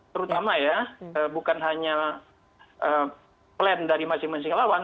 terutama ya bukan hanya plan dari masing masing lawan